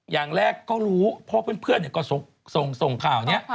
อย่างแรกก็รู้เพราะเพื่อนเป็นเพื่อนก็ส่งข่าวเนี่ย